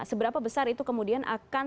seberapa besar itu kemudian akan